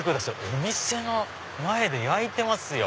お店の前で焼いてますよ。